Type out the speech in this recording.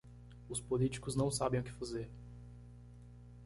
Os politícos não sabem o que fazer.